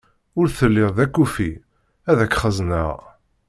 Ur telliḍ d akufi, ad deg-k xezzneɣ!